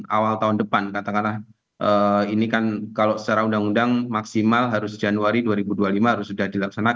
awal tahun depan katakanlah ini kan kalau secara undang undang maksimal harus januari dua ribu dua puluh lima harus sudah dilaksanakan